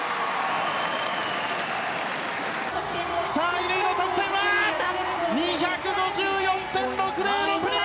乾の得点は２５４．６０６２！